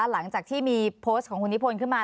หลังจากที่มีโพสต์ของคุณนิพนธ์ขึ้นมา